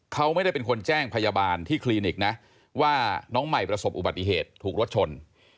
เขาไม่ได้เป็นคนแจ้งพยาบาลที่คลินิกนะว่าน้องใหม่ประสบอุบัติเหตุถูกรถชน